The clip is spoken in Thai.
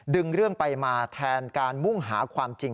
ดึงเรื่องไปมาแทนการมุ่งหาความจริง